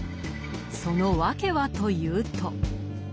その訳はというと？